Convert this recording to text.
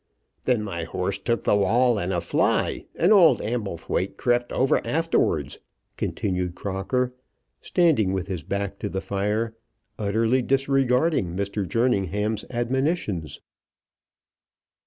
"Then my horse took the wall in a fly, and old Amblethwaite crept over afterwards," continued Crocker, standing with his back to the fire, utterly disregarding Mr. Jerningham's admonitions.